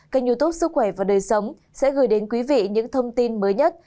kênh youtub sức khỏe và đời sống sẽ gửi đến quý vị những thông tin mới nhất